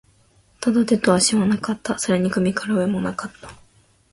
ただ、手と足はなかった。それに首から上も無かった。